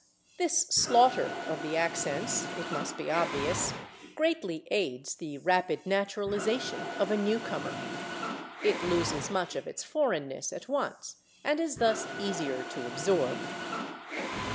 This slaughter of the accents, it must be obvious, greatly aids the rapid naturalization of a newcomer. It loses much of its foreignness at once, and is thus easier to absorb.